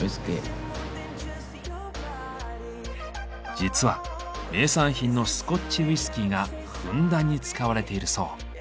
実は名産品のスコッチウイスキーがふんだんに使われているそう。